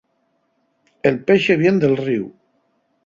El pexe vien del ríu.